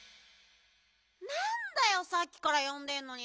なんだよさっきからよんでんのに。